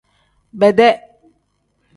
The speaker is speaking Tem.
Bedee.